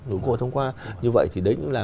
nếu có thông qua như vậy thì đấy cũng là